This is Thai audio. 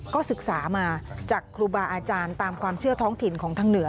ก็ศึกษามาจากครูบาอาจารย์ตามความเชื่อท้องถิ่นของทางเหนือ